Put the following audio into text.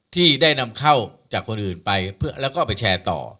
ที่ได้นำเข้าจากคนอื่นไปแล้วก็ไปแชร์ต่อ